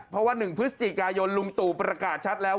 เพราะว่า๑พฤศจิกายนลุงตู่ประกาศชัดแล้ว